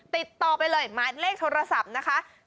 ติดต่อไปเลยหมายเลขโทรศัพท์นะคะ